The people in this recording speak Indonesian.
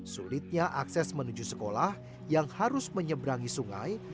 sulitnya akses menuju sekolah yang harus menyeberangi sungai